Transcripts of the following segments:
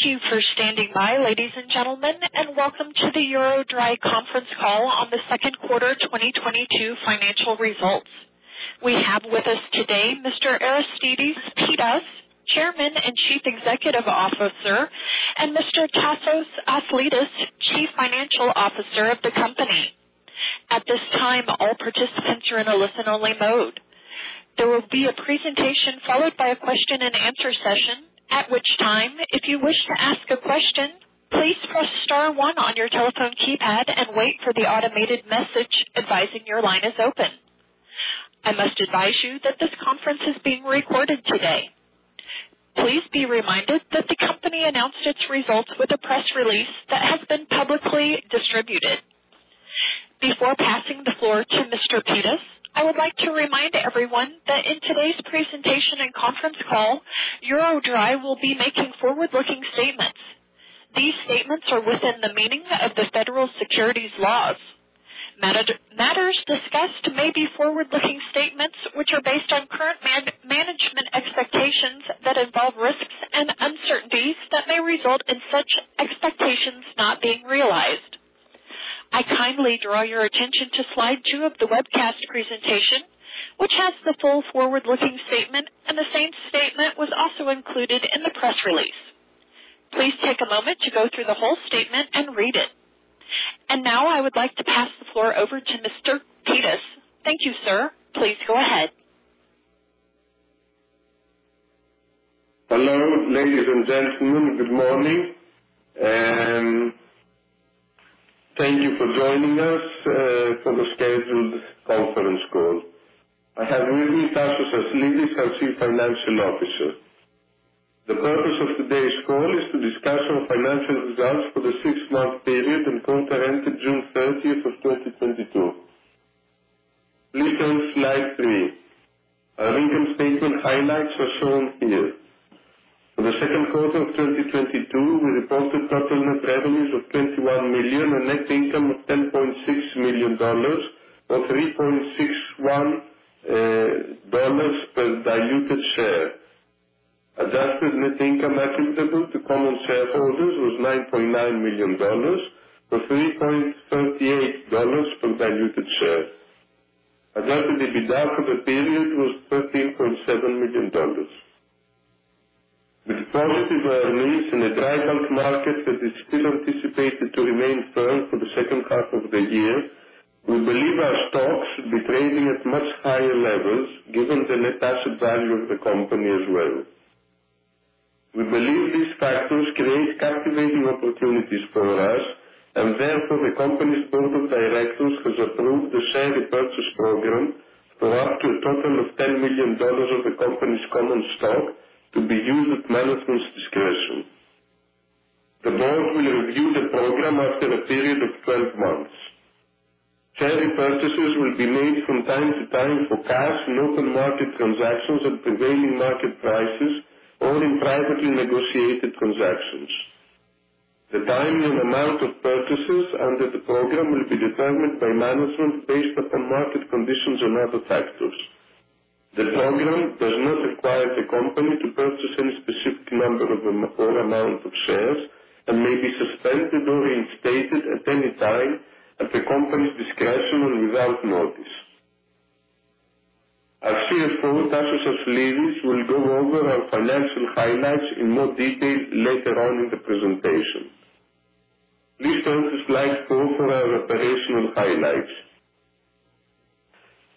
Thank you for standing by, ladies and gentlemen, and welcome to the EuroDry conference call on the second quarter 2022 financial results. We have with us today Mr. Aristides Pittas, Chairman and Chief Executive Officer, and Mr. Tasos Aslidis, Chief Financial Officer of the company. At this time, all participants are in a listen-only mode. There will be a presentation followed by a question-and-answer session, at which time, if you wish to ask a question, please press star one on your telephone keypad and wait for the automated message advising your line is open. I must advise you that this conference is being recorded today. Please be reminded that the company announced its results with a press release that has been publicly distributed. Before passing the floor to Mr. Pittas, I would like to remind everyone that in today's presentation and conference call, EuroDry will be making forward-looking statements. These statements are within the meaning of the federal securities laws. Matters discussed may be forward-looking statements which are based on current management expectations that involve risks and uncertainties that may result in such expectations not being realized. I kindly draw your attention to slide two of the webcast presentation, which has the full forward-looking statement, and the same statement was also included in the press release. Please take a moment to go through the whole statement and read it. Now I would like to pass the floor over to Mr. Pittas. Thank you, sir. Please go ahead. Hello, ladies and gentlemen. Good morning, and thank you for joining us for the scheduled conference call. I have with me Tasos Aslidis, our Chief Financial Officer. The purpose of today's call is to discuss our financial results for the six-month period and quarter ended June 30th, 2022. Please turn to slide three. Our income statement highlights are shown here. For the second quarter of 2022, we reported total net revenues of $21 million and net income of $10.6 million, or $3.61 per diluted share. Adjusted net income attributable to common shareholders was $9.9 million, or $3.38 per diluted share. Adjusted EBITDA for the period was $13.7 million. With positive earnings in a dry bulk market that is still anticipated to remain firm for the second half of the year, we believe our stocks should be trading at much higher levels given the net asset value of the company as well. We believe these factors create captivating opportunities for us and therefore the company's board of directors has approved the share repurchase program for up to a total of $10 million of the company's common stock to be used at management's discretion. The board will review the program after a period of 12 months. Share repurchases will be made from time to time for cash and open market transactions at prevailing market prices or in privately negotiated transactions. The timing and amount of purchases under the program will be determined by management based upon market conditions and other factors. The program does not require the company to purchase any specific number of, or amount of shares and may be suspended or instated at any time at the company's discretion and without notice. Our CFO, Tasos Aslidis, will go over our financial highlights in more detail later on in the presentation. Please turn to slide four for our operational highlights.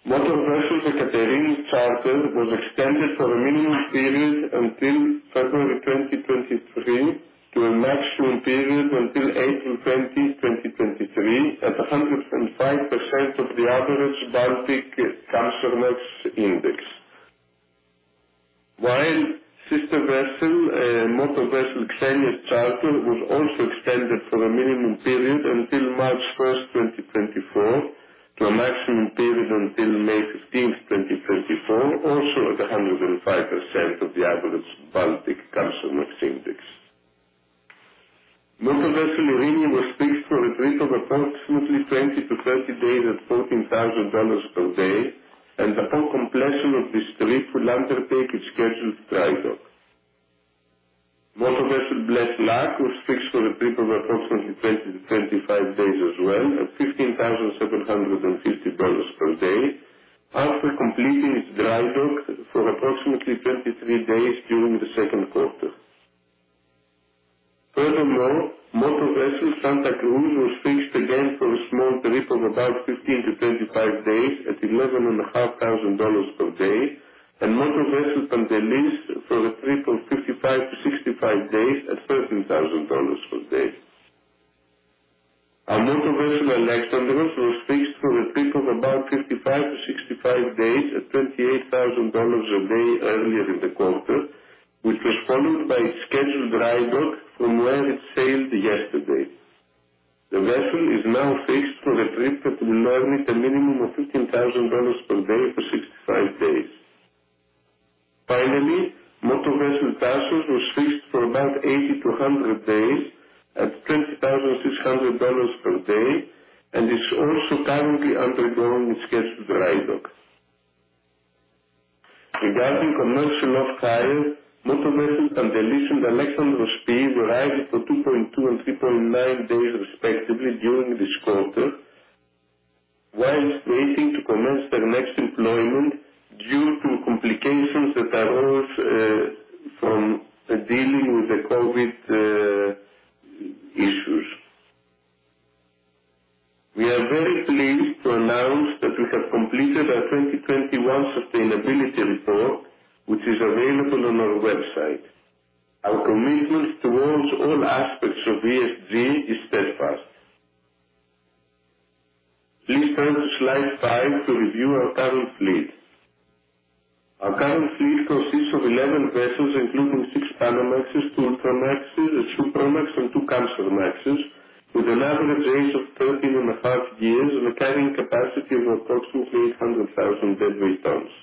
Motor vessel Aikaterini charter was extended for a minimum period until February 2023 to a maximum period until April 20, 2023 at 105% of the average Baltic Kamsarmax Index. While sister vessel, motor vessel Xenia's charter was also extended for a minimum period until March 1st, 2024 to a maximum period until May 15th, 2024, also at 105% of the average Baltic Kamsarmax Index. M/V Eirini was fixed for a trip of approximately 20-30 days at $14,000 per day, and upon completion of this trip will undertake its scheduled dry dock. M/V Blessed Luck was fixed for a trip of approximately 20-25 days as well at $15,750 per day after completing its dry dock for approximately 23 days during the second quarter. Furthermore, M/V Santa Cruz was fixed again for a small trip of about 15-25 days at $11,500 per day and M/V Pantelis for a trip of 55-65 days at $13,000 per day. Our motor vessel Alexandros was fixed for a trip of about 55-65 days at $28,000 a day earlier in the quarter, which was followed by its scheduled dry dock from where it sailed yesterday. The vessel is now fixed for a trip that will earn it a minimum of $15,000 per day for 65 days. Finally, motor vessel Tasos was fixed for about 80-100 days at $20,600 per day and is also currently undergoing its scheduled dry dock. Regarding conversion of hire, motor vessels Pantelis and Alexandros P. were hired for 2.2 and 3.9 days respectively during this quarter, while waiting to commence their next employment due to complications that arose from dealing with the COVID issues. We are very pleased to announce that we have completed our 2021 sustainability report, which is available on our website. Our commitment towards all aspects of ESG is steadfast. Please turn to slide five to review our current fleet. Our current fleet consists of 11 vessels, including six Panamax, two Ultramax, a Supramax, and two Kamsarmax, with an average age of 13.5 years and a carrying capacity of approximately 800,000 deadweight tons.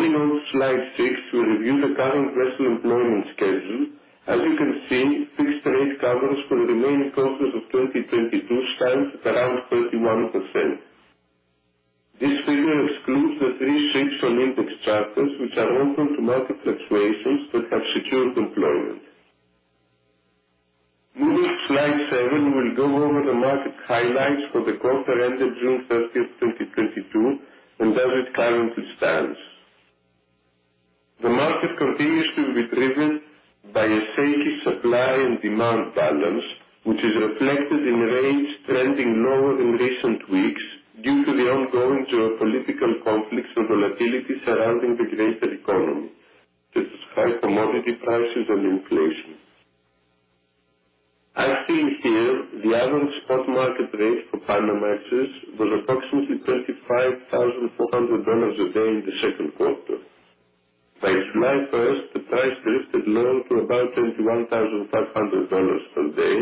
On slide six, we review the current vessel employment schedule. As you can see, fixed rate covers for the remaining quarters of 2022 stands at around 31%. This figure excludes the three ships on index charters which are open to market fluctuations that have secured employment. Using slide seven, we'll go over the market highlights for the quarter ended June 30th, 2022, and as it currently stands. The market continues to be driven by a shaky supply and demand balance, which is reflected in rates trending lower in recent weeks due to the ongoing geopolitical conflicts and volatility surrounding the greater economy such as high commodity prices and inflation. As seen here, the average spot market rate for Panamax was approximately $35,400 a day in the second quarter. By July 1st, the price drifted lower to about $31,500 per day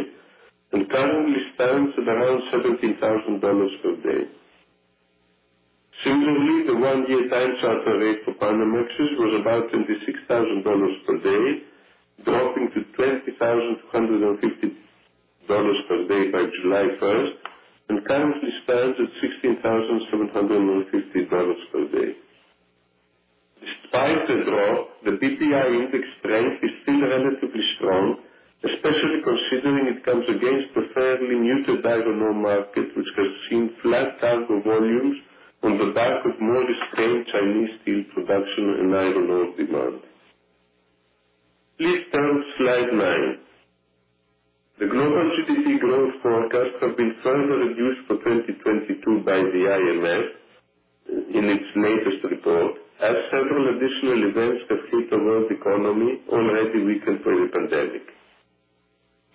and currently stands at around $17,000 per day. Similarly, the one-year time charter rate for Panamax was about $36,000 per day, dropping to $20,250 per day by July first and currently stands at $16,750 per day. Despite the drop, the BDI index strength is still relatively strong, especially considering it comes against the fairly muted iron ore market, which has seen flat cargo volumes on the back of modest Chinese steel production and iron ore demand. Please turn to slide nine. The global GDP growth forecast has been further reduced for 2022 by the IMF in its latest report, as several additional events have hit the world economy already weakened by the pandemic.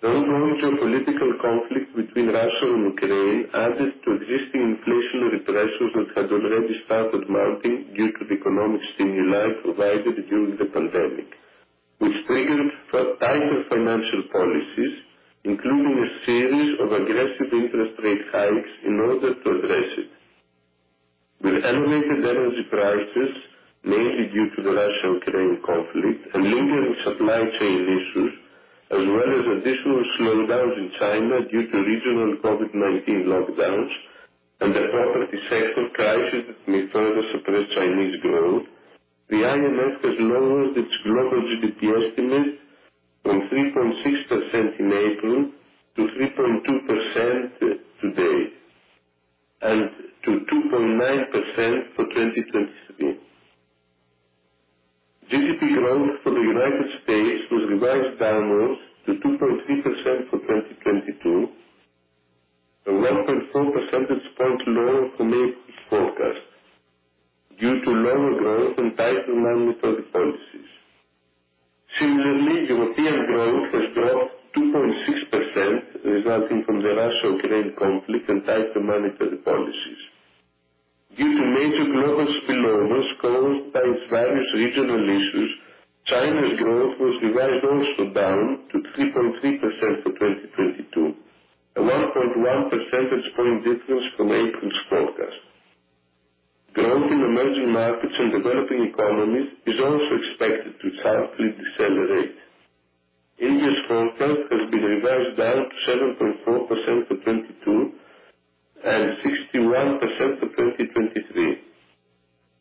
The ongoing geopolitical conflict between Russia and Ukraine added to existing inflationary pressures that had already started mounting due to the economic stimuli provided during the pandemic, which triggered tighter financial policies, including a series of aggressive interest rate hikes in order to address it. With elevated energy prices, mainly due to the Russia-Ukraine conflict and lingering supply chain issues, as well as additional slowdowns in China due to regional COVID-19 lockdowns and the property sector crisis, may further suppress Chinese growth. The IMF has lowered its global GDP estimate from 3.6% in April to 3.2% today and to 2.9% for 2023. GDP growth for the United States was revised downwards to 2.3% for 2022, a 1.4 percentage point lower from April's forecast due to lower growth and tighter monetary policies. Similarly, European growth has dropped 2.6%, resulting from the Russia-Ukraine conflict and tighter monetary policies. Due to major global spillovers caused by various regional issues, China's growth was revised also down to 3.3% for 2022, a 1.1 percentage point difference from April's forecast. Growth in emerging markets and developing economies is also expected to sharply decelerate. India's forecast has been revised down to 7.4% for 2022 and 61% for 2023.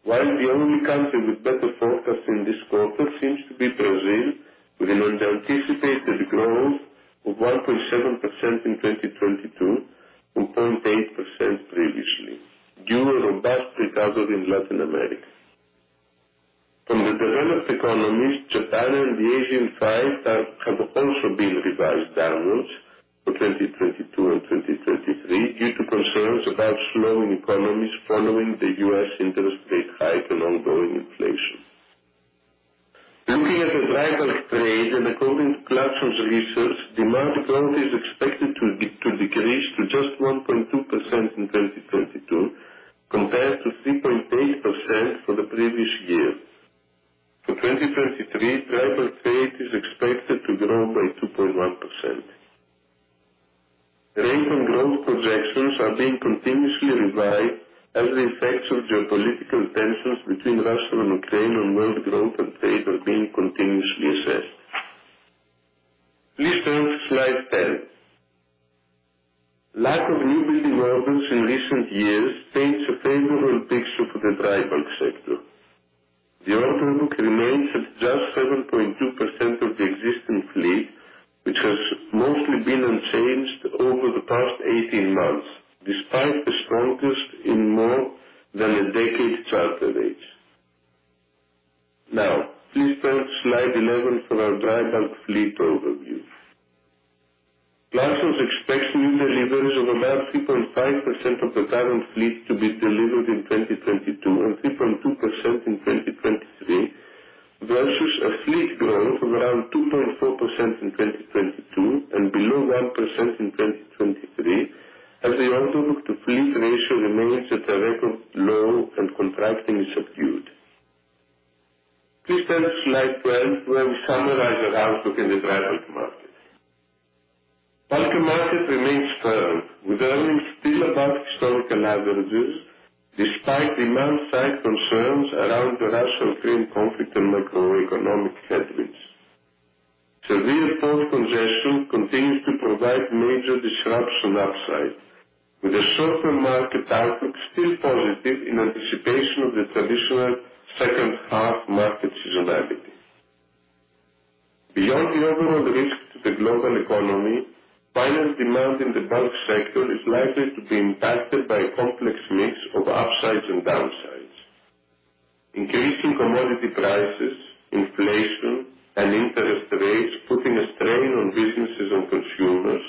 While the only country with better forecast in this quarter seems to be Brazil, with an anticipated growth of 1.7% in 2022 from 0.8% previously due to robust recovery in Latin America. From the developed economies, Japan and the Asian side have also been revised downwards for 2022 and 2023 due to concerns about slowing economies following the U.S. interest rate hike and ongoing inflation. Looking at the dry trade and according to Clarksons Research, demand growth is expected to decrease to just 1.2% in 2022 compared to 3.8% for the previous year. For 2023, dry trade is expected to grow by 2.1%. Recent growth projections are being continuously revised as the effects of geopolitical tensions between Russia and Ukraine on world growth and trade are being continuously assessed. Please turn to slide 10. Lack of newbuilding orders in recent years paints a favorable picture for the dry bulk sector. The order book remains at just 7.2% of the existing fleet, which has mostly been unchanged over the past 18 months, despite the strongest in more than a decade charter rates. Now please turn to slide 11 for our dry bulk fleet overview. It's expecting new deliveries of about 3.5% of the current fleet to be delivered in 2022 and 3.2% in 2023 versus a fleet growth of around 2.4% in 2022 and below 1% in 2023 as the order book to fleet ratio remains at a record low and contracting subdued. Please turn to slide 12 where we summarize our outlook in the dry bulk market. Bulk market remains firm, with earnings still above historical averages despite demand side concerns around the Russia-Ukraine conflict and macroeconomic headwinds. Severe port congestion continues to provide major disruption upside, with the short-term market outlook still positive in anticipation of the traditional second half market seasonality. Beyond the overall risk to the global economy, final demand in the bulk sector is likely to be impacted by a complex mix of upsides and downsides. Increasing commodity prices, inflation and interest rates putting a strain on businesses and consumers,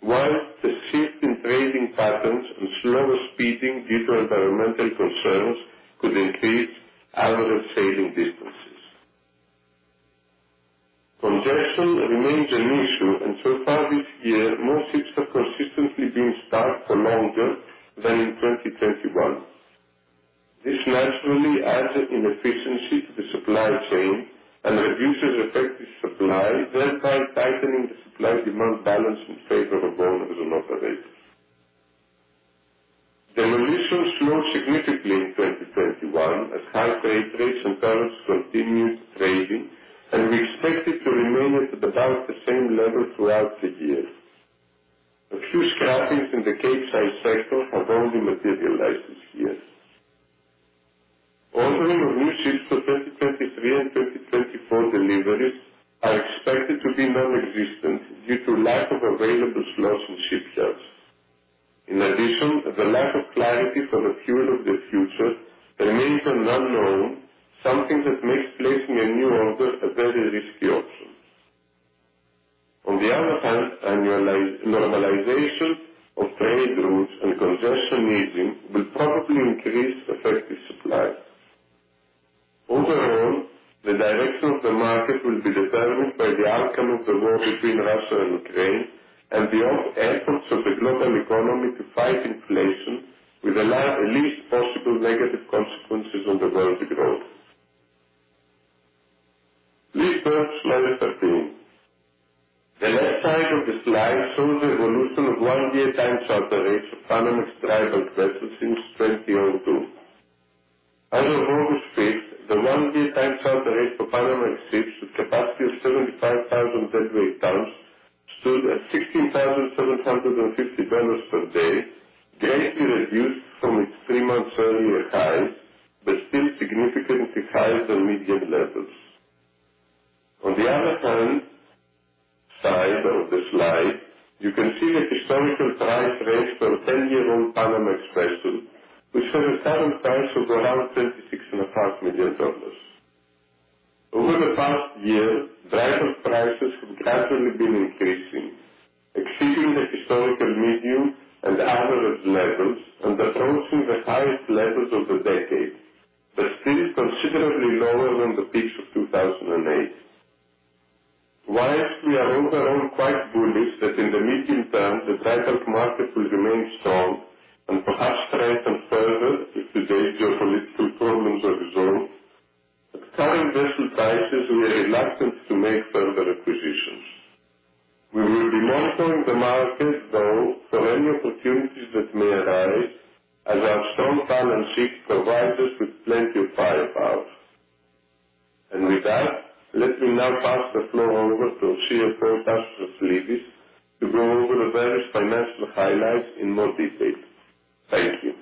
while the shift in trading patterns and slow steaming due to environmental concerns could increase average sailing distances. Congestion remains an issue, and so far this year, more ships have consistently been stuck for longer than in 2021. This naturally adds an inefficiency to the supply chain and reduces effective supply, thereby tightening the supply demand balance in favor of owners and operators. Demolitions slowed significantly in 2021 as high trade rates and tariffs continued trading, and we expect it to remain at about the same level throughout the year. A few scrappings in the Capesize sector have already materialized this year. Ordering of new ships for 2023 and 2024 deliveries are expected to be nonexistent due to lack of available slots in shipyards. In addition, the lack of clarity for the fuel of the future remains an unknown, something that makes placing a new order a very risky option. On the other hand, annualized normalization of trade routes and congestion easing will probably increase effective supply. Overall, the direction of the market will be determined by the outcome of the war between Russia and Ukraine and the efforts of the global economy to fight inflation with the least possible negative consequences on the world growth. Please turn to slide 13. The left side of the slide shows the evolution of one-year time charter rates of Panamax dry bulk vessels since 2002. As of August 5th, the one-year time charter rate for Panamax ships with capacity of 75,000 deadweight tons stood at $16,750 per day, greatly reduced from its three-month earlier highs, but still significantly higher than median levels. On the other hand, on the slide, you can see the historical price range for a ten-year-old Panamax vessel, which has a current price of around $36.5 million. Over the past year, dry bulk prices have gradually been increasing, exceeding the historical median and average levels and approaching the highest levels of the decade, but still considerably lower than the peaks of 2008. While we are overall quite bullish that in the medium term the dry bulk market will remain strong and perhaps strengthen further if today's geopolitical problems are resolved. At current vessel prices, we are reluctant to make further acquisitions. We will be monitoring the market, though, for any opportunities that may arise, as our strong balance sheet provides us with plenty of firepower. With that, let me now pass the floor over to CFO, Tasos Aslidis, to go over the various financial highlights in more detail. Thank you.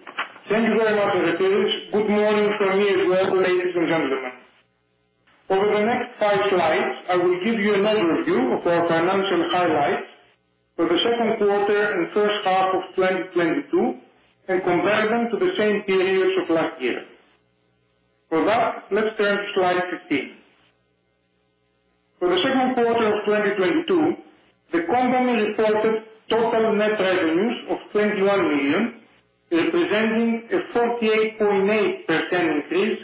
Thank you very much, Aristides. Good morning from me as well, ladies and gentlemen. Over the next five slides, I will give you an overview of our financial highlights for the second quarter and first half of 2022 and compare them to the same periods of last year. For that, let's turn to slide 15. For the second quarter of 2022, the company reported total net revenues of $21 million, representing a 48.8% increase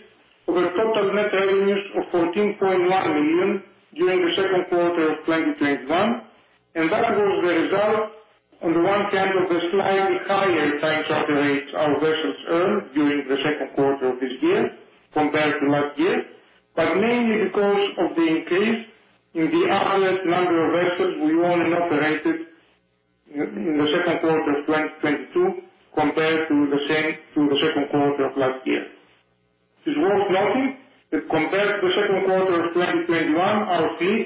over total net revenues of $14.1 million during the second quarter of 2021. That was the result on the one hand of the slightly higher time charter rates our vessels earned during the second quarter of this year compared to last year, but mainly because of the increase in the average number of vessels we owned and operated in the second quarter of 2022 compared to the second quarter of last year. It's worth noting that compared to the second quarter of 2021, our fleet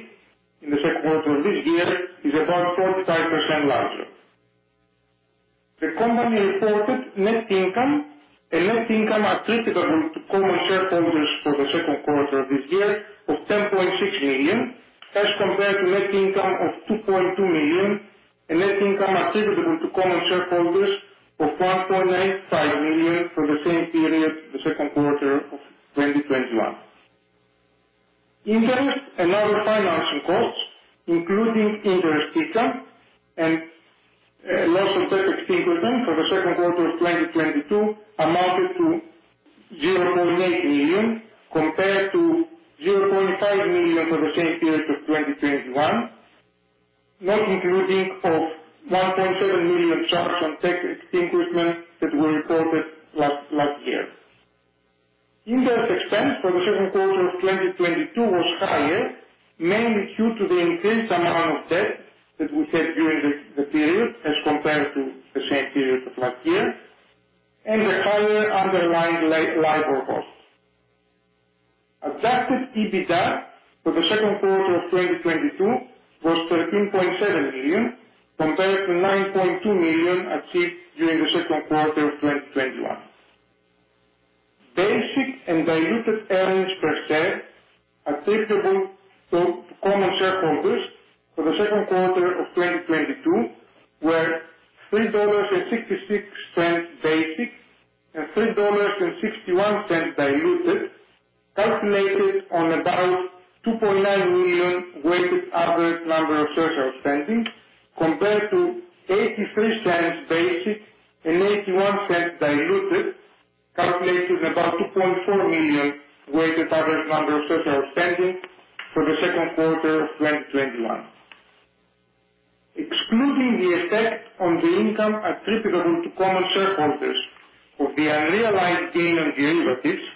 in the second quarter of this year is about 45% larger. The company reported net income and net income attributable to common shareholders for the second quarter of this year of $10.6 million, as compared to net income of $2.2 million and net income attributable to common shareholders of $1.85 million for the same period, the second quarter of 2021. Interest and other financing costs, including interest income and loss on debt extinguishment for the second quarter of 2022 amounted to $0.8 million, compared to $0.5 million for the same period of 2021. Not including the $1.7 million charge on debt extinguishment that we reported last year. Interest expense for the second quarter of 2022 was higher, mainly due to the increased amount of debt that we had during the period as compared to the same period of last year, and the higher underlying LIBOR costs. Adjusted EBITDA for the second quarter of 2022 was $13.7 million, compared to $9.2 million achieved during the second quarter of 2021. Basic and diluted earnings per share attributable to common shareholders for the second quarter of 2022 were $3.66 basic and $3.61 diluted, calculated on about 2.9 million weighted average number of shares outstanding, compared to $0.83 basic and $0.81 diluted, calculated about 2.4 million weighted average number of shares outstanding for the second quarter of 2021. Excluding the effect on the income attributable to common shareholders of the unrealized gain on derivatives,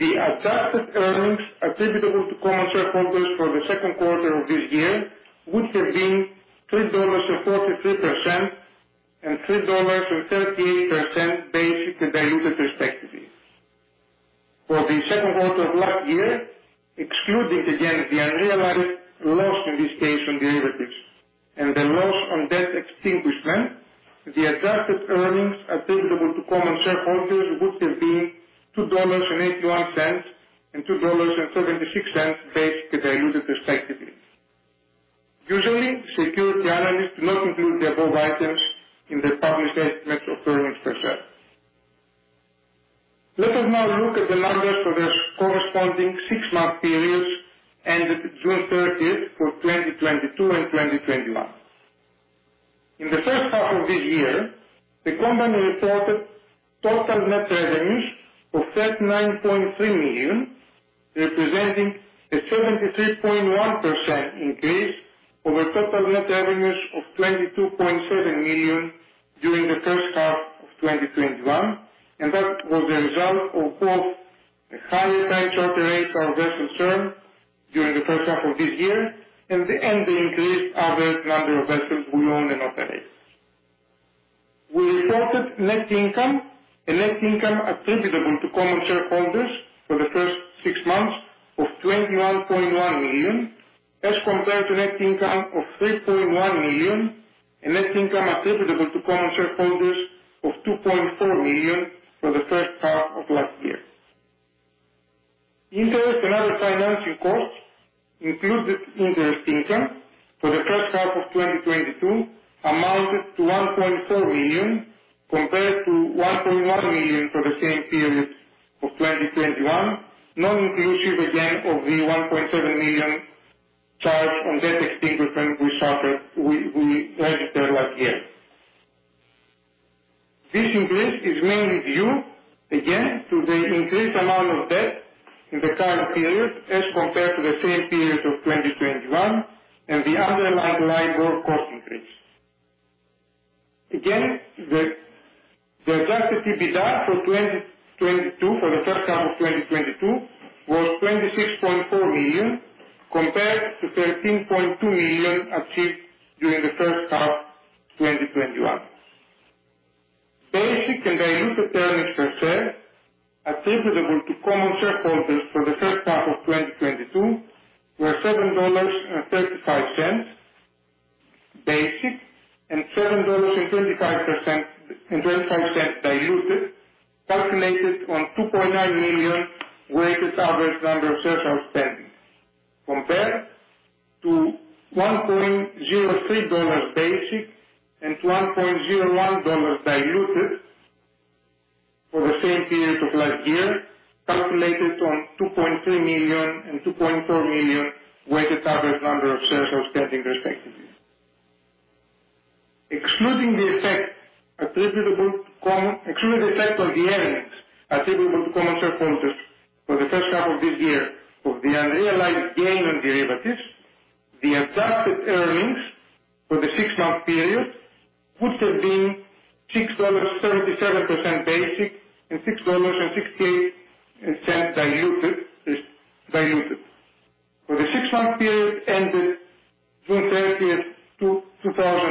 the adjusted earnings attributable to common shareholders for the second quarter of this year would have been $3.43 and $3.38 basic and diluted respectively. For the second quarter of last year, excluding again the unrealized loss in this case on derivatives and the loss on debt extinguishment, the adjusted earnings attributable to common shareholders would have been $2.81 and $2.76 basic and diluted respectively. Usually, securities analysts do not include the above items in their published estimates of earnings per share. Let us now look at the numbers for the corresponding six-month periods ended June 30th, 2022 and 2021. In the first half of this year, the company reported total net revenues of $39.3 million, representing a 73.1% increase over total net revenues of $22.7 million during the first half of 2021. That was a result of both the higher time charter rates our vessels earned during the first half of this year and the increased average number of vessels we own and operate. We reported net income and net income attributable to common shareholders for the first six months of $21.1 million, as compared to net income of $3.1 million and net income attributable to common shareholders of $2.4 million for the first half of last year. Interest and other financing costs included interest income for the first half of 2022 amounted to $1.4 million, compared to $1.1 million for the same period of 2021. Non-inclusive again of the $1.7 million charge on debt extinguishment we suffered we registered last year. This increase is mainly due again to the increased amount of debt in the current period as compared to the same period of 2021 and the underlying LIBOR cost increase. Again, the adjusted EBITDA for 2022, for the first half of 2022 was $26.4 million, compared to $13.2 million achieved during the first half 2021. Basic and diluted earnings per share attributable to common shareholders for the first half of 2022 were $7.35 basic and $7.25 diluted, calculated on 2.9 million weighted average number of shares outstanding. Compared to $1.03 basic and $1.01 diluted for the same period of last year, calculated on 2.3 million and 2.4 million weighted average number of shares outstanding respectively. Excluding the effect on the earnings attributable to common shareholders for the first half of this year of the unrealized gain on derivatives, the adjusted earnings for the six-month period would have been $6.37 basic and $6.68 diluted. Period ended June 30th, 2021.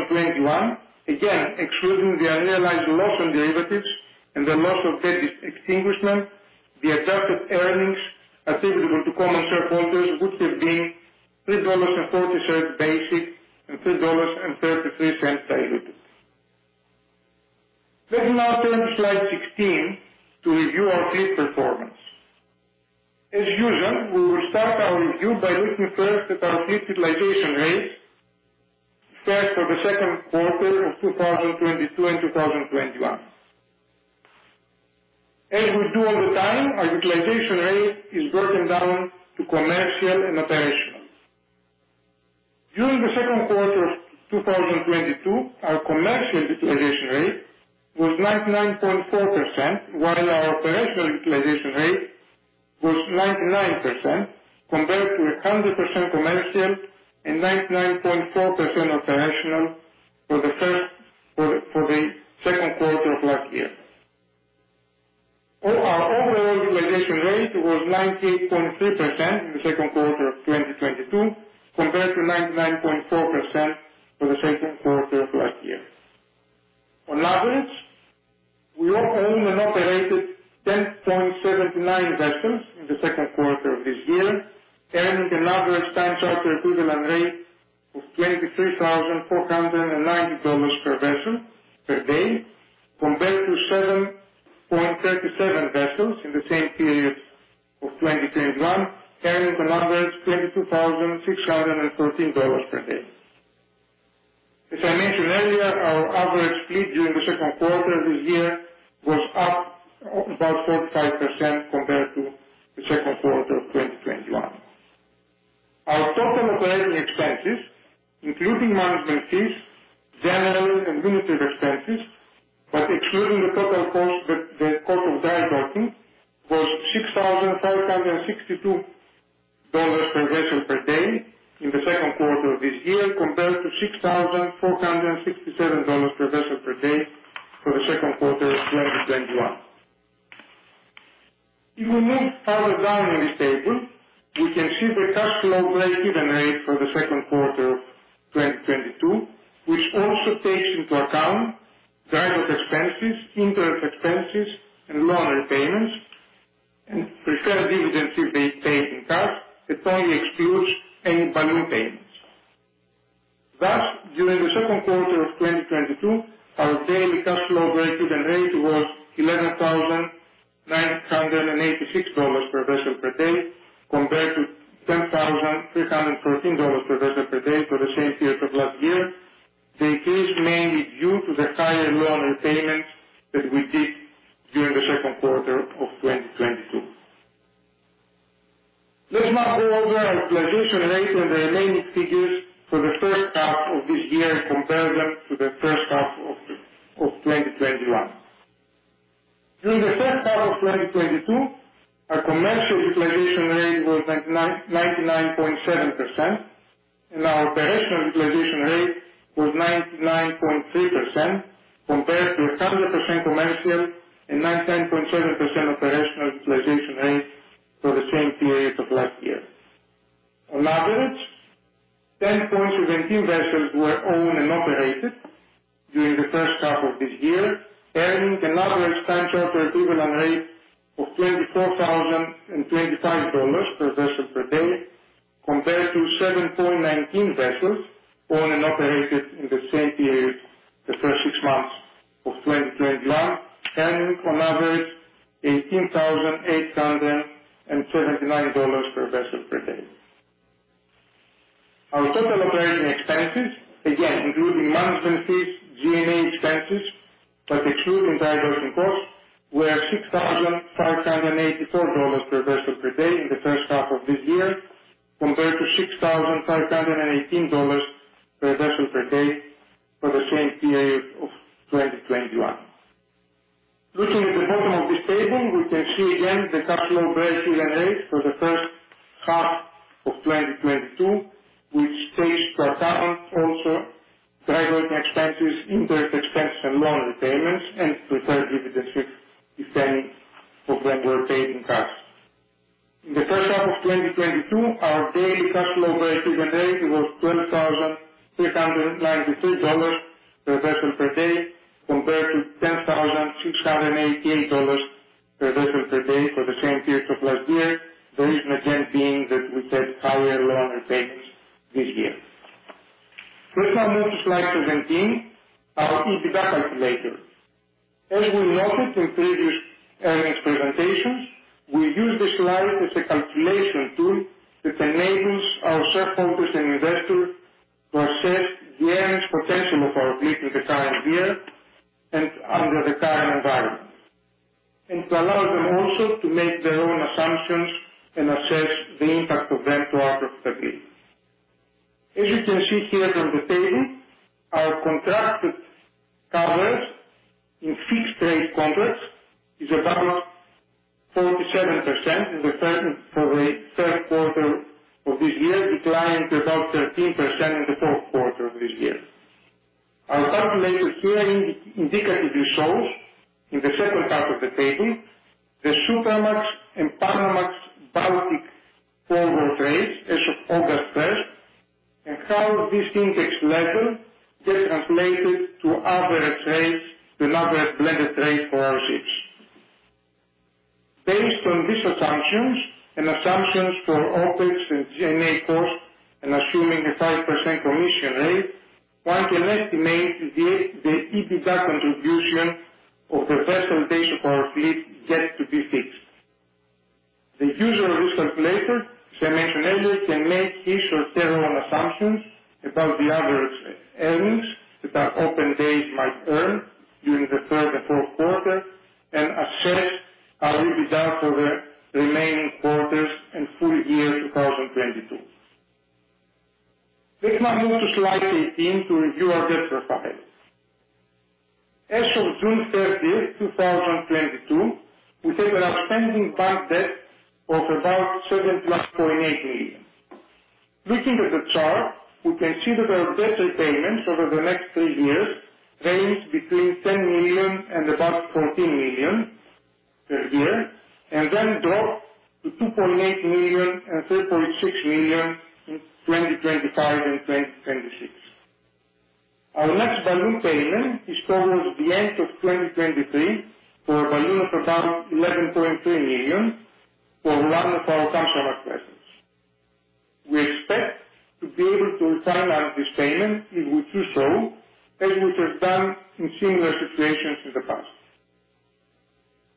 Again, excluding the unrealized loss on derivatives and the loss on debt extinguishment, the adjusted earnings attributable to common shareholders would have been $3.40 basic and $3.33 diluted. Let me now turn to slide 16 to review our fleet performance. As usual, we will start our review by looking first at our fleet utilization rates for the second quarter of 2022 and 2021. As we do all the time, our utilization rate is broken down to commercial and operational. During the second quarter of 2022, our commercial utilization rate was 99.4% while our operational utilization rate was 99% compared to 100% commercial and 99.4% operational for the second quarter of last year. Our overall utilization rate was 90.3% in the second quarter of 2022 compared to 99.4% for the second quarter of last year. On average, we owned and operated 10.79 vessels in the second quarter of this year, earning an average time charter equivalent rate of $23,490 per vessel per day, compared to 7.37 vessels in the same period of 2021, earning an average of $22,613 per day. As I mentioned earlier, our average fleet during the second quarter this year was up about 45% compared to the second quarter of 2021. Our total operating expenses, including management fees, general and administrative expenses, but excluding the cost of dry docking was $6,562 per vessel per day in the second quarter of this year, compared to $6,467 per vessel per day for the second quarter of 2021. If we move further down in this table, we can see the cash flow breakeven rate for the second quarter of 2022, which also takes into account dry dock expenses, interest expenses and loan repayments and preferred dividends if they're paid in cash. It only excludes any balloon payments. Thus, during the second quarter of 2022, our daily cash flow breakeven rate was $11,986 per vessel per day, compared to $10,313 per vessel per day for the same period of last year. The increase mainly due to the higher loan repayments that we did during the second quarter of 2022. Let's now go over our utilization rate and the remaining figures for the first half of this year and compare them to the first half of 2021. During the first half of 2022, our commercial utilization rate was 99.9% and our operational utilization rate was 99.3% compared to 100% commercial and 99.7% operational utilization rates for the same period of last year. On average, 10.72 vessels were owned and operated during the first half of this year, earning an average time charter equivalent rate of $24,025 per vessel per day, compared to 7.19 vessels owned and operated in the same period, the first six months of 2021, earning on average $18,879 per vessel per day. Our total operating expenses, again including management fees, G&A expenses, but excluding dry docking costs, were $6,584 per vessel per day in the first half of this year, compared to $6,518 per vessel per day for the same period of 2021. Looking at the bottom of this table, we can see again the cash flow breakeven rate for the first half of 2022, which takes into account also dry docking expenses, interest expense and loan repayments and preferred dividends if any of them were paid in cash. In the first half of 2022, our daily cash flow breakeven rate was $12,393 per vessel per day, compared to $10,688 per vessel per day for the same period of last year. The reason again being that we had higher loan repayments this year. Let's now move to slide 17, our EBITDA calculator. As we noted in previous earnings presentations, we use this slide as a calculation tool that enables our shareholders and investors to assess the earnings potential of our fleet in the current year and under the current environment, and to allow them also to make their own assumptions and assess the impact of them to our profitability. As you can see here from the table, our contracted covers in fixed rate contracts is about 47% in the third quarter of this year, declining to about 13% in the fourth quarter of this year. Our calculator here indicatively shows in the second half of the table the Supramax and Panamax Baltic forward rates as of August first, and how this index level get translated to other rates, to another blended rate for our ships. Based on these assumptions for OpEx and G&A costs and assuming a 5% commission rate, one can estimate the EBITDA contribution of the vessel days of our fleet yet to be fixed. The user of this calculator, as I mentioned earlier, can make his or her own assumptions about the other earnings that our open days might earn during the third and fourth quarter and assess our EBITDA for the remaining quarters and full year 2022. Let's now move to slide 18 to review our debt profile. As of June 30, 2022, we have outstanding bank debt of about $7.8 million. Looking at the chart, we can see that our debt repayments over the next three years range between $10 million and about $14 million per year, and then drop to $2.8 million and $3.6 million in 2025 and 2026. Our next balloon payment is towards the end of 2023 for a balloon of about $11.3 million for one of our Kamsarmax vessels. We expect to be able to refinance this payment if we choose so, as we have done in similar situations in the past.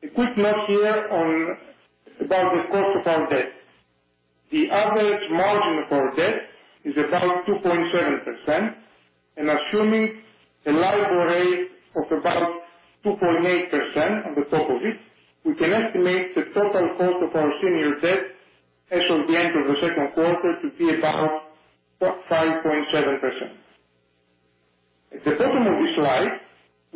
A quick note here about the cost of our debt. The average margin of our debt is about 2.7%, and assuming a LIBOR rate of about 2.8% on the top of it, we can estimate the total cost of our senior debt as of the end of the second quarter to be about 5.7%. At the bottom of this slide,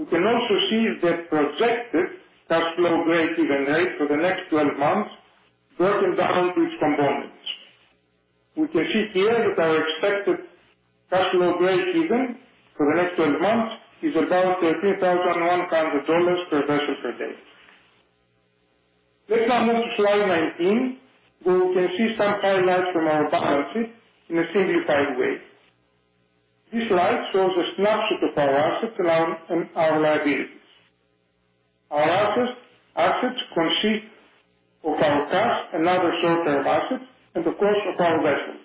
we can also see that projected cash flow breakeven rate for the next twelve months, broken down into its components. We can see here that our expected cash flow breakeven for the next twelve months is about $13,100 per vessel per day. Let's now move to slide 19, where we can see some highlights from our balance sheet in a simplified way. This slide shows a snapshot of our assets and our liabilities. Our assets consist of our cash and other short-term assets and of course of our vessels.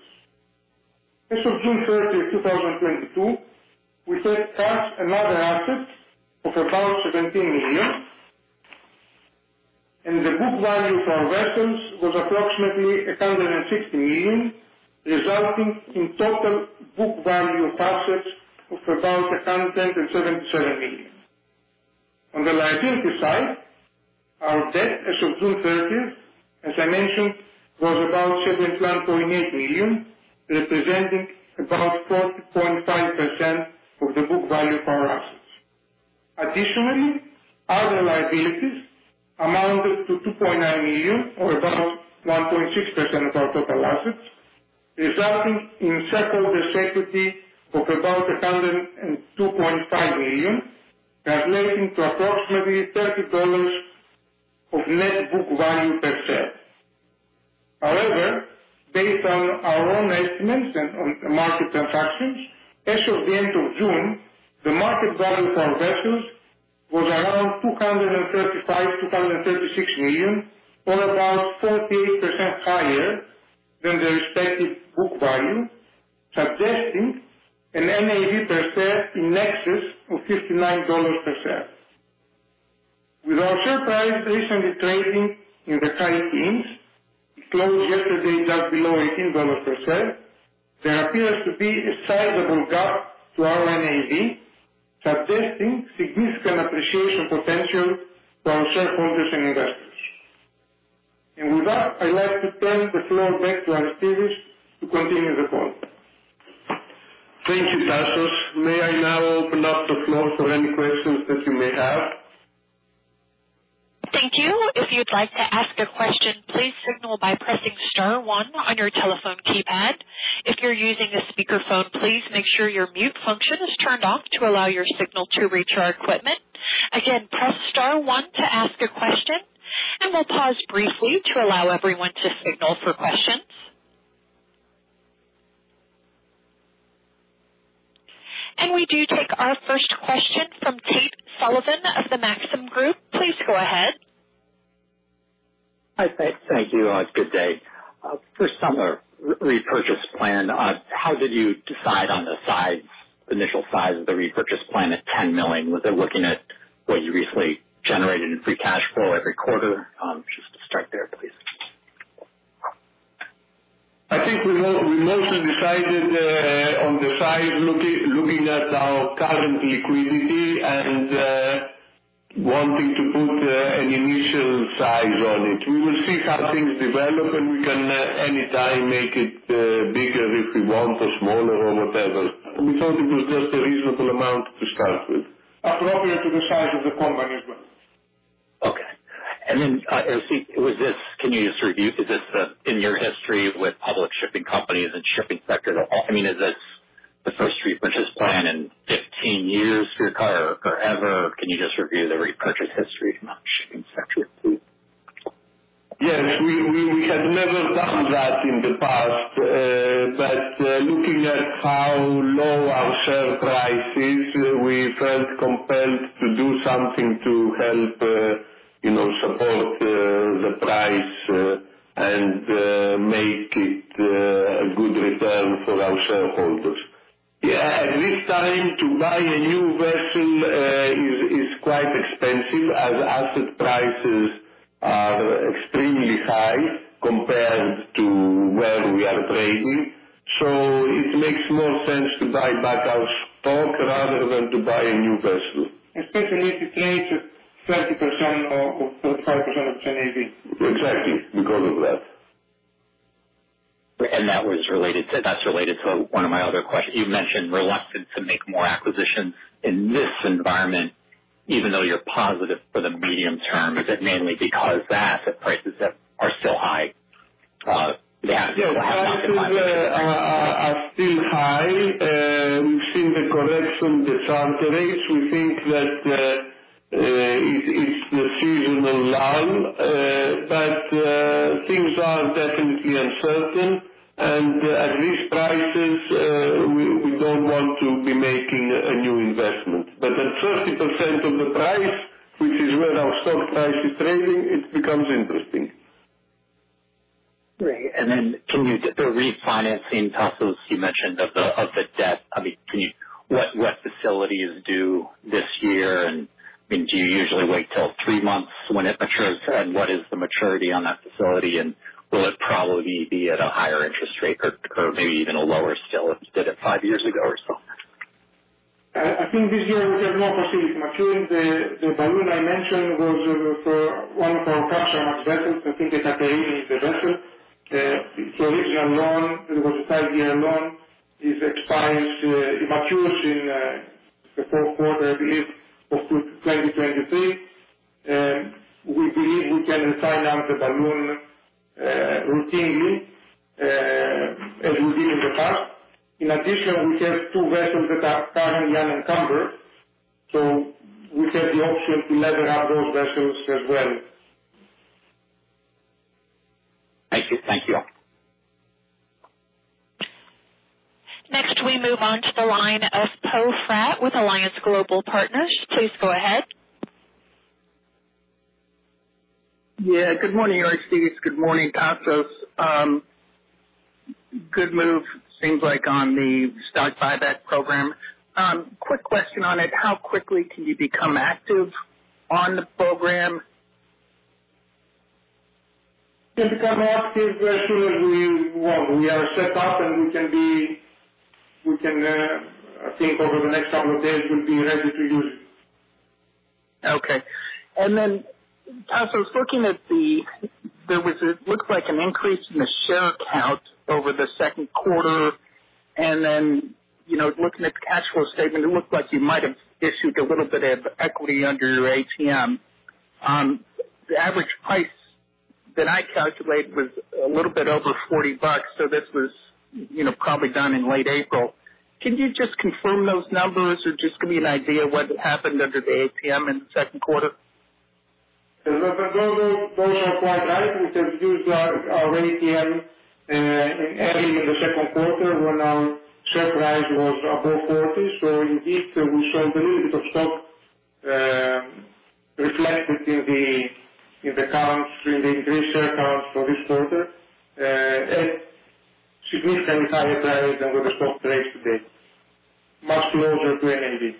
As of June 30, 2022, we had cash and other assets of about $17 million. The book value for our vessels was approximately $160 million, resulting in total book value assets of about $177 million. On the liability side, our debt as of June 30th, as I mentioned, was about $7.8 million, representing about 40.5% of the book value of our assets. Additionally, other liabilities amounted to $2.9 million or about 1.6% of our total assets, resulting in shareholders equity of about $102.5 million, translating to approximately $30 of net book value per share. However, based on our own estimates and on market transactions, as of the end of June, the market value for our vessels was around $235-$236 million or about 48% higher than the respective book value, suggesting an NAV per share in excess of $59 per share. With our share price recently trading in the high teens, it closed yesterday just below $18 per share. There appears to be a sizable gap to our NAV, suggesting significant appreciation potential to our shareholders and investors. With that, I'd like to turn the floor back to Aristides to continue the call. Thank you, Tasos. May I now open up the floor for any questions that you may have? Thank you. If you'd like to ask a question, please signal by pressing star one on your telephone keypad. If you're using a speakerphone, please make sure your mute function is turned off to allow your signal to reach our equipment. Again, press star one to ask a question, and we'll pause briefly to allow everyone to signal for questions. We do take our first question from Tate Sullivan of the Maxim Group. Please go ahead. Hi. Thank you. Good day. For summer repurchase plan, how did you decide on the size, initial size of the repurchase plan at $10 million? Was it looking at what you recently generated in free cash flow every quarter? Just to start there, please. I think we mostly decided on the size looking at our current liquidity and wanting to put an initial size on it. We will see how things develop, and we can anytime make it bigger if we want or smaller or whatever. We thought it was just a reasonable amount to start with. Appropriate to the size of the company as well. Can you just review, is this in your history with public shipping companies and shipping sectors at all? I mean, is this the first repurchase plan in 15 years for EuroDry or forever? Can you just review the repurchase history in our shipping sector, please? Yes. We had never done that in the past. Looking at how low our share price is, we felt compelled to do something to help, you know, support the price and make it a good return for our shareholders. Yeah. At this time to buy a new vessel is quite expensive as asset prices are extremely high compared to where we are trading. It makes more sense to buy back our stock rather than to buy a new vessel. Especially if you trade at 30% or 35% of NAV. Exactly. Because of that. That's related to one of my other questions. You mentioned reluctant to make more acquisitions in this environment even though you're positive for the medium term. Is it mainly because the asset prices are still high? Yeah. Prices are still high. We've seen the correction, the charter rates. We think that it's the seasonal line. Things are definitely uncertain. At these prices, we don't want to be making a new investment. At 30% of the price, which is where our stock price is trading, it becomes interesting. Great. The refinancing Tasos you mentioned of the debt. I mean, what facility is due this year and, I mean, do you usually wait till three months when it matures? What is the maturity on that facility? Will it probably be at a higher interest rate or maybe even a lower still if you did it five years ago or so? I think this year we have no facility maturing. The balloon I mentioned was for one of our chartered vessels. I think it had a lien on the vessel. Its original loan, it was a five-year loan. It expires, it matures in the fourth quarter I believe of 2023. We believe we can refinance the balloon routinely as we did in the past. In addition, we have two vessels that are currently unencumbered. We have the option to lever up those vessels as well. Thank you. Thank you. Next, we move on to the line of Poe Fratt with Alliance Global Partners. Please go ahead. Yeah, good morning, Aristides. Good morning, Tasos. Good move seems like on the stock buyback program. Quick question on it. How quickly can you become active on the program? We can become active as soon as we want. We are set up, and we can. I think over the next couple of days we'll be ready to use it. Okay. Then Tasos looking at the, looked like an increase in the share count over the second quarter. Then, you know, looking at the cash flow statement, it looked like you might have issued a little bit of equity under your ATM. The average price that I calculate was a little bit over $40, so this was, you know, probably done in late April. Can you just confirm those numbers or just give me an idea what happened under the ATM in the second quarter? The numbers, those are quite right. We have used our ATM early in the second quarter when our share price was above $40. Indeed, we sold a little bit of stock, reflected in the counts, in the increased share counts for this quarter, at significantly higher price than where the stock trades today. Much closer to NAV.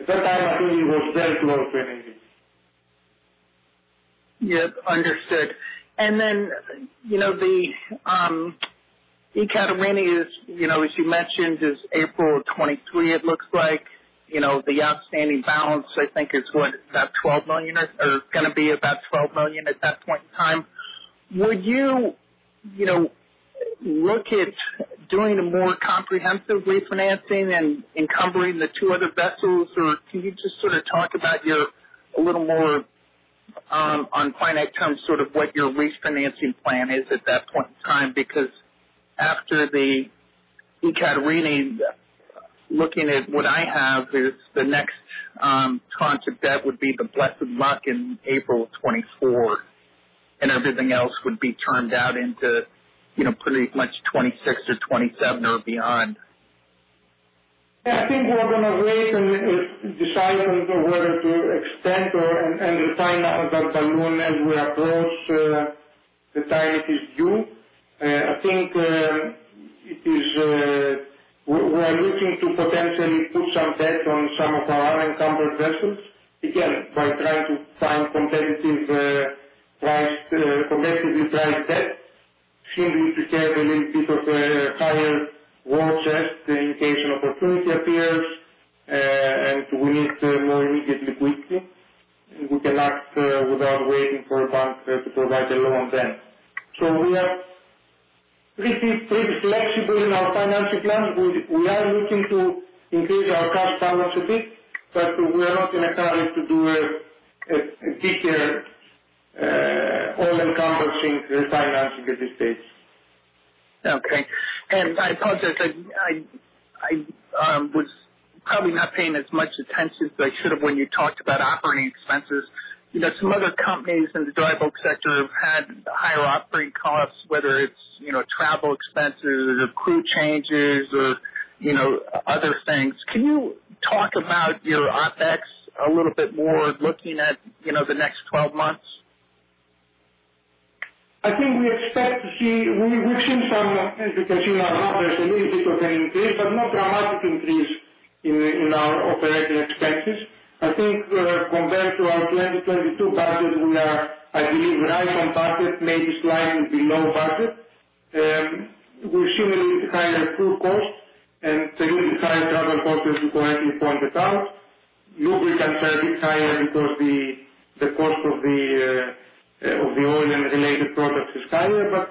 At that time, actually, it was very close to NAV. Yep, understood. Then, you know, the Aikaterini is, you know, as you mentioned, is April 2023 it looks like. You know, the outstanding balance I think is what? About $12 million or gonna be about $12 million at that point in time. Would you know, look at doing a more comprehensive refinancing and encumbering the two other vessels, or can you just sort of talk about your a little more, on finite terms sort of what your refinancing plan is at that point in time? Because after the Aikaterini, looking at what I have is the next tranche of debt would be the Blessed Luck in April 2024, and everything else would be turned out into, you know, pretty much 2026-2027 or beyond. Yeah. I think we're gonna wait and decide on whether to extend or refinance that balloon as we approach the time it is due. We're looking to potentially put some bets on some of our unencumbered vessels. Again, by trying to find competitively priced debt. Simply to have a little bit of a higher war chest in case an opportunity appears and we need more immediate liquidity. We can act without waiting for banks to provide a loan then. We're pretty flexible in our financial plans. We are looking to increase our cash balance a bit, but we are not in a hurry to do a bigger, all-encompassing refinancing at this stage. Okay. I apologize, I was probably not paying as much attention as I should have when you talked about operating expenses. You know, some other companies in the dry bulk sector have had higher operating costs, whether it's, you know, travel expenses or crew changes or, you know, other things. Can you talk about your OpEx a little bit more looking at, you know, the next twelve months? I think we expect to see. We've seen some, as you can see in our numbers, a little bit of an increase, but not dramatic increase in our operating expenses. I think, compared to our 2022 budget, we are, I believe right on budget, maybe slightly below budget. We've seen a little bit higher crew costs and a little bit higher travel costs, as you correctly pointed out. Lubricants are a bit higher because the cost of the oil and related products is higher.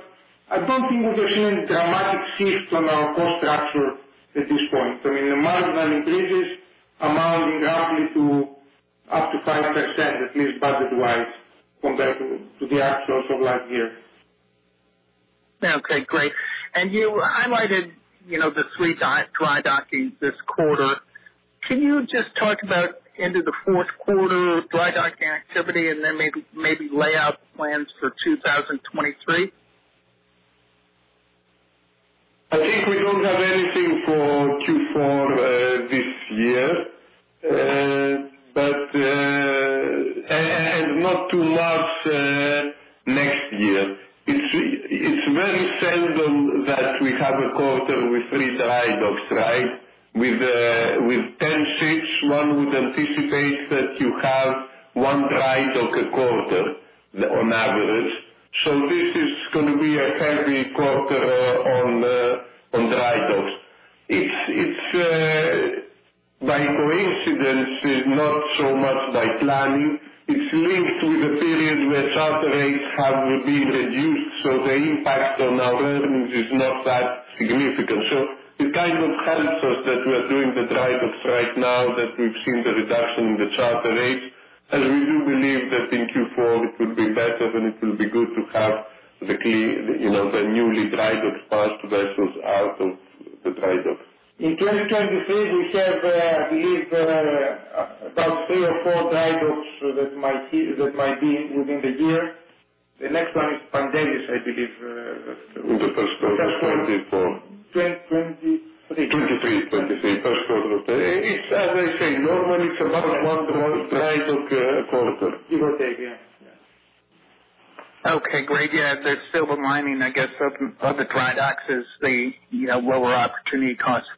I don't think we have seen any dramatic shift on our cost structure at this point. I mean, the marginal increases amounting roughly to up to 5%, at least budget wise, compared to the outflows of last year. Okay, great. You highlighted, you know, the three drydockings this quarter. Can you just talk about end of the fourth quarter drydocking activity and then maybe lay out plans for 2023? I think we don't have anything for Q4 this year, but not too much next year. It's very seldom that we have a quarter with three dry docks, right? With 10 ships, one would anticipate that you have one dry dock a quarter on average. This is gonna be a heavy quarter on dry docks. It's by coincidence. It's not so much by planning. It's linked with a period where charter rates have been reduced, so the impact on our earnings is not that significant. It kind of helps us that we are doing the dry docks right now, that we've seen the reduction in the charter rates. We do believe that in Q4 it will be better and it will be good to have the clean, you know, the newly dry docked vessel out of the dry docks. In 2023 we have, I believe, about three or four dry docks that might be within the year. The next one is Pantelis, I believe. In the first quarter of 2024. 2023. 2023, first quarter. It's as I say, normally it's about one dry dock a quarter. Give or take. Yeah. Yeah. Okay, great. Yeah. There's silver lining, I guess, of the dry docks is the, you know, lower opportunity costs.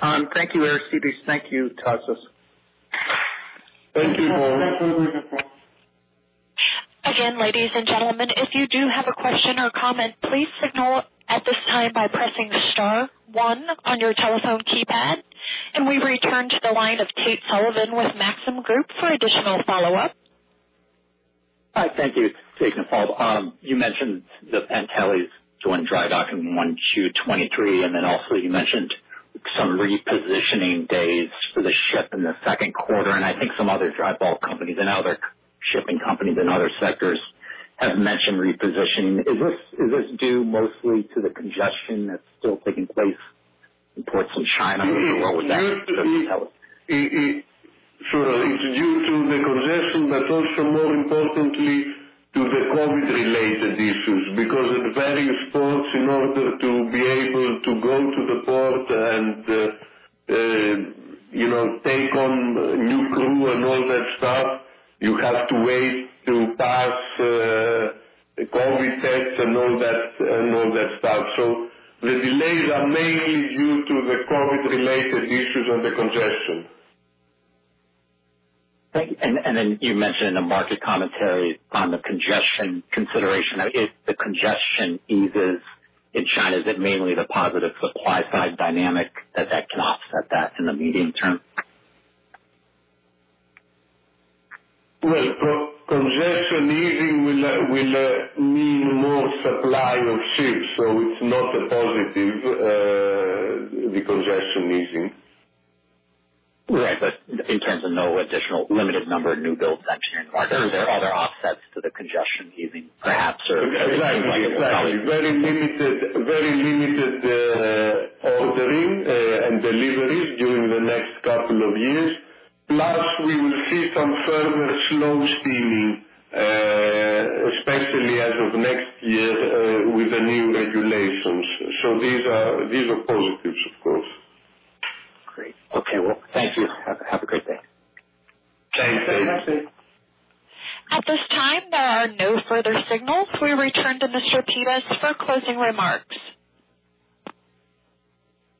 Thank you, Aristides. Thank you, Tasos. Thank you. Thank you. Again, ladies and gentlemen, if you do have a question or comment, please signal at this time by pressing star one on your telephone keypad. We return to the line of Tate Sullivan with Maxim Group for additional follow-up. Hi. Thank you. You're welcome. You mentioned the Pantelis doing dry dock in 1Q 2023, and then also you mentioned some repositioning days for the ship in the second quarter. I think some other dry bulk companies and other shipping companies in other sectors have mentioned repositioning. Is this due mostly to the congestion that's still taking place in ports in China or what was that for Pantelis? It's due to the congestion, but also more importantly to the COVID-related issues. Because at various ports in order to be able to go to the port and, you know, take on new crew and all that stuff, you have to wait to pass the COVID test and all that stuff. The delays are mainly due to the COVID-related issues and the congestion. Thank you. You mentioned in the market commentary on the congestion consideration. If the congestion eases in China, is it mainly the positive supply side dynamic that can offset that in the medium term? Well, congestion easing will mean more supply of ships, so it's not a positive, the congestion easing. Right. In terms of no additional limited number of new builds mentioned in the market, are there other offsets to the congestion easing, perhaps, or things like? Exactly. Very limited ordering and deliveries during the next couple of years. We will see some further slow steaming, especially as of next year, with the new regulations. These are positives of course. Great. Okay. Well, thank you. Have a great day. Thanks. Thanks. At this time, there are no further signals. We return to Mr. Pittas for closing remarks.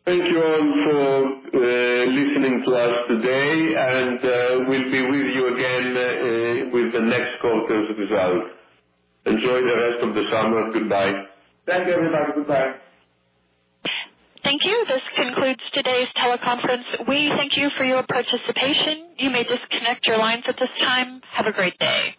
Thank you all for listening to us today, and we'll be with you again with the next quarter's results. Enjoy the rest of the summer. Goodbye. Thank you, everybody. Goodbye. Thank you. This concludes today's teleconference. We thank you for your participation. You may disconnect your lines at this time. Have a great day.